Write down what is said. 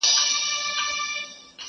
ستا د کتاب تر اشو ډېر دي زما خالونه٫